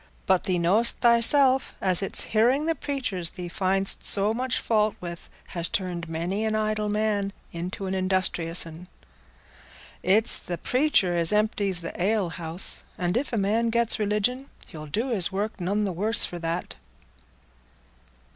"But thee know'st thyself as it's hearing the preachers thee find'st so much fault with has turned many an idle fellow into an industrious un. It's the preacher as empties th' alehouse; and if a man gets religion, he'll do his work none the worse for that."